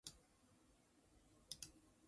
是一个真三国无双系列的砍杀游戏。